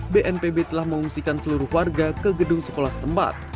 bnpb telah mengungsikan seluruh warga ke gedung sekolah setempat